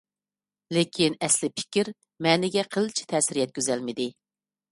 لېكىن، ئەسلىي پىكىر، مەنىگە قىلچە تەسىر يەتكۈزۈلمىدى.